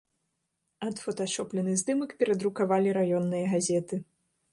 Адфоташоплены здымак перадрукавалі раённыя газеты.